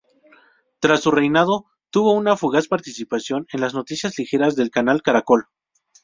Tras su reinado tuvo una fugaz participación en las noticias ligeras del Canal Caracol.